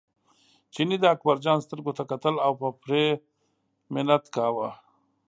چیني د اکبرجان سترګو ته کتل او په پرې منت کاوه.